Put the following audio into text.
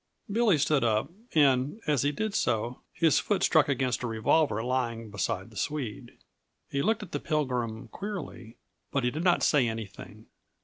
Billy stood up, and, as he did so, his foot struck against a revolver lying beside the Swede. He looked at the Pilgrim queerly, but he did not say anything.